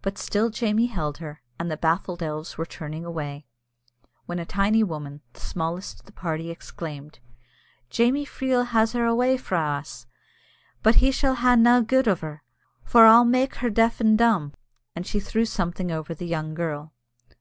But still Jamie held her, and the baffled elves were turning away, when a tiny woman, the smallest of the party, exclaimed, "Jamie Freel has her awa' frae us, but he sall hae nae gude o' her, for I'll mak' her deaf and dumb," and she threw something over the young girl.